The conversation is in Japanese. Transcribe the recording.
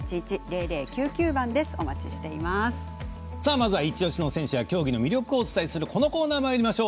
まずは一押しの選手や競技の魅力をお伝えするこのコーナーまいりましょう。